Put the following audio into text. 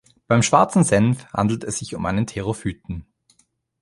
Beim Schwarzen Senf handelt es sich um einen Therophyten.